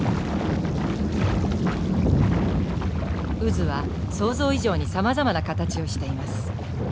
渦は想像以上にさまざまな形をしています。